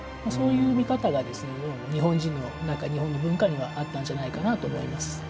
そういう見方が日本の文化にはあったんじゃないかと思います。